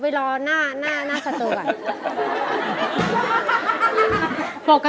พี่ตาลต้องใจเย็นนะคะ